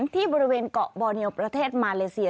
ที่บริเวณเกาะบอเนียลประเทศมาเลเซีย